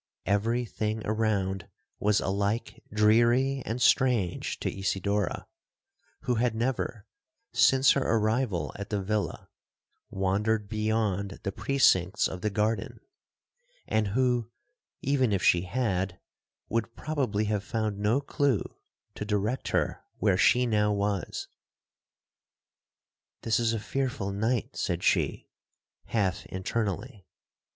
Every thing around was alike dreary and strange to Isidora, who had never, since her arrival at the villa, wandered beyond the precincts of the garden,—and who, even if she had, would probably have found no clue to direct her where she now was. 'This is a fearful night,' said she, half internally.